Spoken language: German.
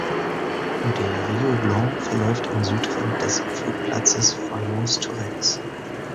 Der Riou Blanc verläuft am Südrand des "Flugplatzes Fayence–Tourrettes".